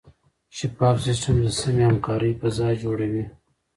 شفاف سیستم د سمې همکارۍ فضا جوړوي.